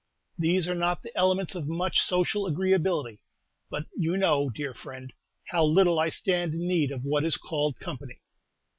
These are not the elements of much social agreeability; but you know, dear friend, how little I stand in need of what is called company.